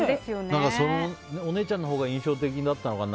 お姉ちゃんのほうが印象的だったのかな。